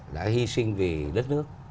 đã hy sinh vì đất nước